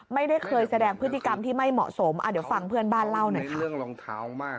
ไม่ได้เคยแสดงพฤติกรรมที่ไม่เหมาะสมเดี๋ยวฟังเพื่อนบ้านเล่าหน่อยค่ะ